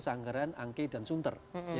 sanggaran angkei dan sunter